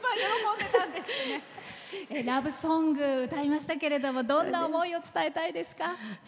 ラブソング歌いましたけれどもどんな思いを伝えたいですか？